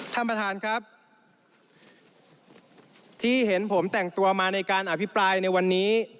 ท่านประธานครับที่เห็นผมแต่งตัวมาในการอภิปรายในวันนี้